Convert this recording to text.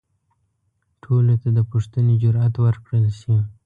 ټولو ته د پوښتنې جرئت ورکړل شي.